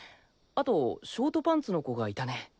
あとショートパンツの子がいたね。